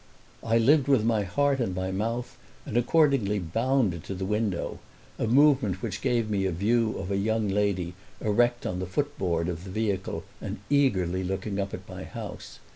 I lived with my heart in my mouth and accordingly bounded to the window—a movement which gave me a view of a young lady erect on the footboard of the vehicle and eagerly looking up at my house.